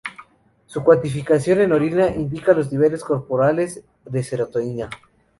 Su cuantificación en orina indica los niveles corporales de serotonina.